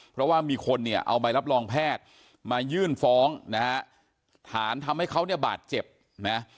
เพราะว่ามีคนเนี่ยเอาใบรับรองแพทย์มายื่นฟ้องนะฮะฐานทำให้เขาเนี่ยบาดเจ็บนะ